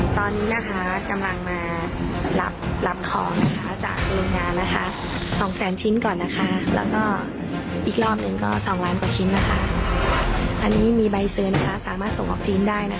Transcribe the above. ตอนนี้นะคะกำลังมารับของนะคะจากโรงงานนะคะ๒แสนชิ้นก่อนนะคะแล้วก็อีกรอบหนึ่งก็๒ล้านกว่าชิ้นนะคะอันนี้มีใบเซิร์นนะคะสามารถส่งออกจีนได้นะคะ